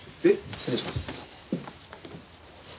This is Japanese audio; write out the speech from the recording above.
失礼します。